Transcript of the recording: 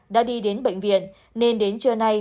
đã đi đến bệnh viện nên đến trưa nay